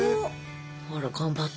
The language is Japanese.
あら頑張った。